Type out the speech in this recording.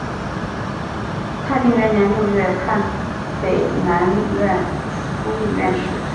太平元年六月判北南院枢密院事。